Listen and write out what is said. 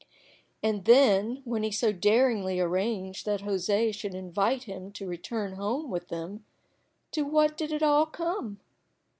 And then when he so daringly arranged that José should invite him to return home with them, to what did it all come?